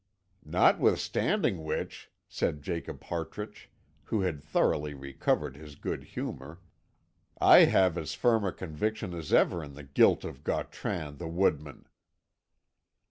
"Notwithstanding which," said Jacob Hartrich, who had thoroughly recovered his good humour, "I have as firm a conviction as ever in the guilt of Gautran the woodman."